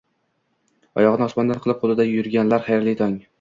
Oyog'ini osmondan qilib, qo'lida yurganlar, xayrli tong!